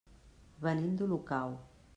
Venim d'Olocau.